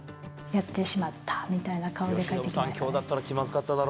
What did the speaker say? やってしまったみたいな顔で帰ってきましたね。